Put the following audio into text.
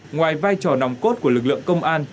ngoài vai trò nòng cốt của lực lượng công an